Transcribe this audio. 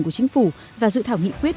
của chính phủ và dự thảo nghị quyết